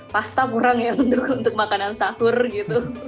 pasta kurang ya untuk makanan sahur gitu